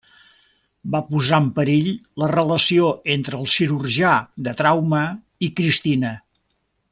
Va posar en perill la relació entre el cirurgià de trauma i Cristina.